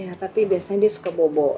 ya tapi biasanya dia suka bobo